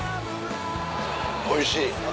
おいしい。